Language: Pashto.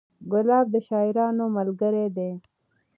ګلاب د شاعرانو ملګری دی.